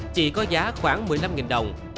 chỉ có giá khoảng một mươi năm đồng